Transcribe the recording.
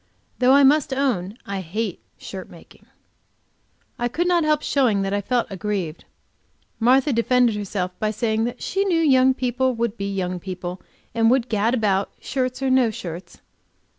Though I must own I hate shirt making. I could not help showing that I felt aggrieved. Martha defended herself by saying that she knew young people would be young people, and would gad about, shirts or no shirts.